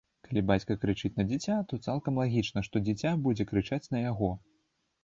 Калі бацька крычыць на дзіця, то цалкам лагічна, што дзіця будзе крычаць на яго.